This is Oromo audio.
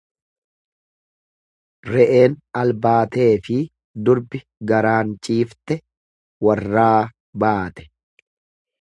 Re'een albaateefi durbi garaan ciifte warraa baate.